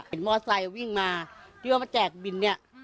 เห็นมอเซลล์วิ่งมาที่ว่ามาแจกบิน